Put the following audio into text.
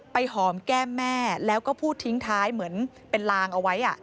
หอมแก้มแม่แล้วก็พูดทิ้งท้ายเหมือนเป็นลางเอาไว้